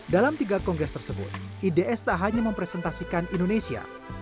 dalam tiga kongres tersebut ids tak hanya mempresentasikan indonesia